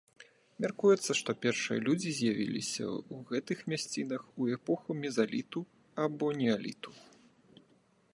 Мяркуецца, што першыя людзі з'явіліся ў гэтых мясцінах у эпоху мезаліту або неаліту.